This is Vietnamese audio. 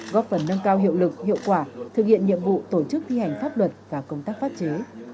quả thực hiện nhiệm vụ tổ chức thi hành pháp luật và công tác pháp chế